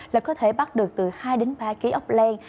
là có thể bắt được từ hai ba kg ốc len